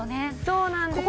そうなんです。